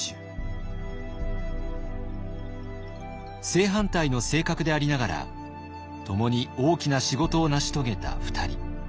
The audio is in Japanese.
正反対の性格でありながら共に大きな仕事を成し遂げた２人。